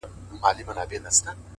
د ژوند دوهم جنم دې حد ته رسولی يمه ـ